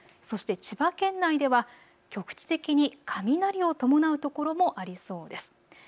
そして千葉県内では局地的に雷を伴う所もありそうです。